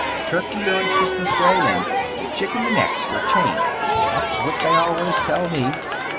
Turkey on Christmas Day, and chicken the next, for a change that's what they always tell me.